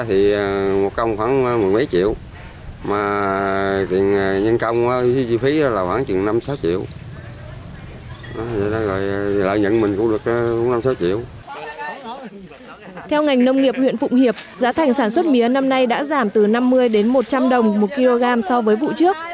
theo ngành nông nghiệp huyện phụng hiệp giá thành sản xuất mía năm nay đã giảm từ năm mươi đến một trăm linh đồng một kg so với vụ trước